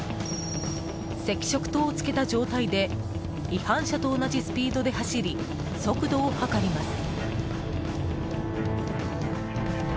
赤色灯をつけた状態で違反車と同じスピードで走り速度を測ります。